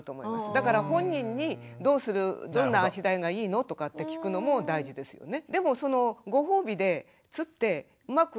だから本人に「どうする？どんな足台がいいの？」とかって聞くのも大事ですよね。